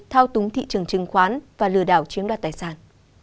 thao túng thị trường chứng khoán và lừa đảo chiếm đoạt tài sản